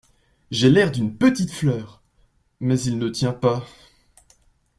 J’ai l’air d’une petite fleur ; mais il ne tient pas…